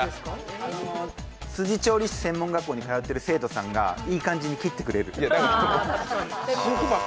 辻調理師専門学校に通ってる生徒さんがいい感じに切ってくれる。